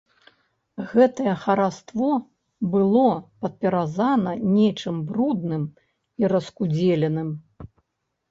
Гэтае хараство было падпяразана нечым брудным і раскудзеленым.